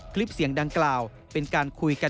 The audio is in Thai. คลิปเสียงดังกล่าวเป็นการคุยกัน